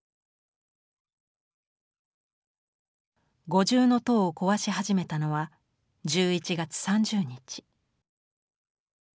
五重塔を壊し始めたのは１１月３０日。